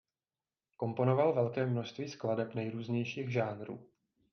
Komponoval velké množství skladeb nejrůznějších žánrů.